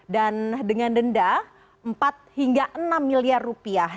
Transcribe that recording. dan dengan denda empat hingga enam miliar rupiah